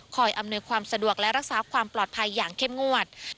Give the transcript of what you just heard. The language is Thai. อำนวยความสะดวกและรักษาความปลอดภัยอย่างเข้มงวด